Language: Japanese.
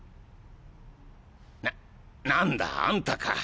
な何だあんたか。